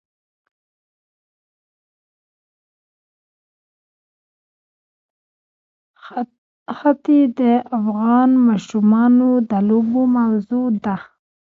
ښتې د افغان ماشومانو د لوبو موضوع ده.